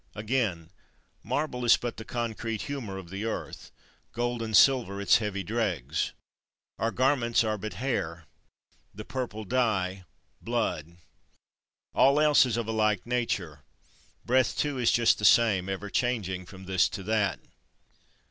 Again; marble is but the concrete humour of the earth, gold and silver its heavy dregs. Our garments are but hair, the purple dye blood. All else is of a like nature. Breath, too, is just the same, ever changing from this to that.